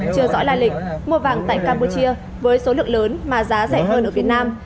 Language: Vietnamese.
chưa rõ la lịch mua vàng tại campuchia với số lượng lớn mà giá giảm